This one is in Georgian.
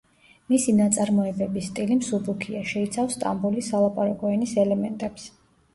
მისი ნაწარმოებების სტილი მსუბუქია, შეიცავს სტამბოლის სალაპარაკო ენის ელემენტებს.